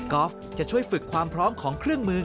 อล์ฟจะช่วยฝึกความพร้อมของเครื่องมือ